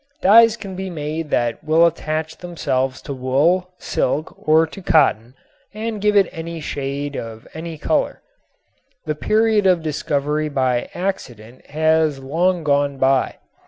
Dyes can be made that will attach themselves to wool, to silk or to cotton, and give it any shade of any color. The period of discovery by accident has long gone by.